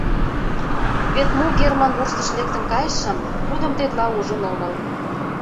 Вет мо герман вурсыш лектын кайышым, тудым тетла ужын омыл.